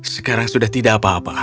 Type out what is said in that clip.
sekarang sudah tidak apa apa